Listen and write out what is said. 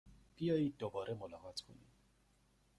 بیایید دوباره ملاقات کنیم!